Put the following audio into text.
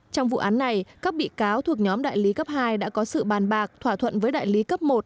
trong vụ án này các bị cáo thuộc nhóm đại lý cấp hai đã có sự bàn bạc thỏa thuận với đại lý cấp một